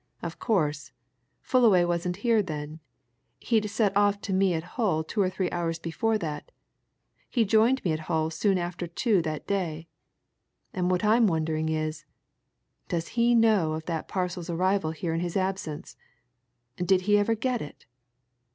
"Of course, Fullaway wasn't here then. He'd set off to me at Hull two or three hours before that. He joined me at Hull soon after two that day. And what I'm wondering is does he know of that parcel's arrival here in his absence. Did he ever get it?